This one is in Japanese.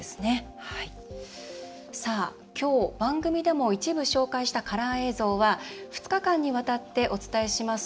今日、番組でも一部紹介したカラー映像は２日間にわたってお伝えします